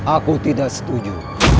aku tidak setuju